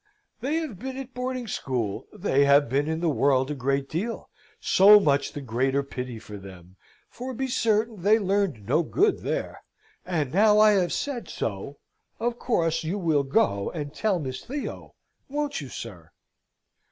They have been at boarding school; they have been in the world a great deal so much the greater pity for them, for be certain they learned no good there. And now I have said so, of course you will go and tell Miss Theo, won't you, sir?"